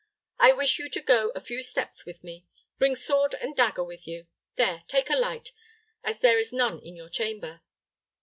"I wish you to go a few steps with me. Bring sword and dagger with you. There, take a light, as there is none in your chamber."